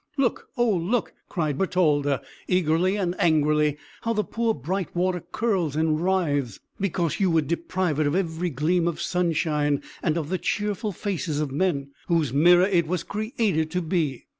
"Look, oh look!" cried Bertalda, eagerly and angrily, "how the poor bright water curls and writhes, because you would deprive it of every gleam of sunshine, and of the cheerful faces of men, whose mirror it was created to be!"